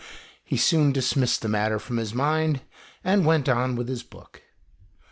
He soon dismissed the matter from his mind and went on with his book.